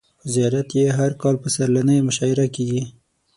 په زیارت یې هر کال پسرلنۍ مشاعر کیږي.